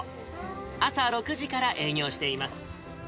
朝６時から営業しています。